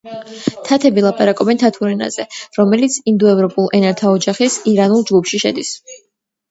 თათები ლაპარაკობენ თათურ ენაზე, რომელიც ინდოევროპულ ენათა ოჯახის ირანულ ჯგუფში შედის.